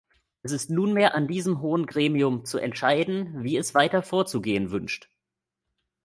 Es ist nunmehr an diesem hohen Gremium zu entscheiden, wie es weiter vorzugehen wünscht.